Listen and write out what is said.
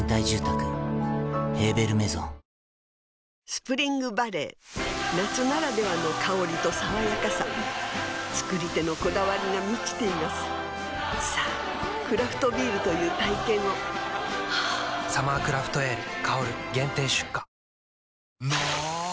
スプリングバレー夏ならではの香りと爽やかさ造り手のこだわりが満ちていますさぁクラフトビールという体験を「サマークラフトエール香」限定出荷の！